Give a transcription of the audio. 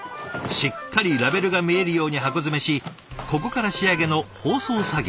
しっかりラベルが見えるように箱詰めしここから仕上げの包装作業へ。